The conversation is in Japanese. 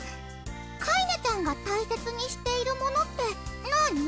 カイネちゃんが大切にしているものってなあに？